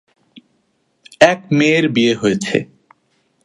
এক মেয়ের বিয়ে হয়েছে।